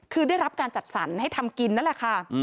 คือได้รับการจัดสรรให้ทำกินนั่นแหละค่ะ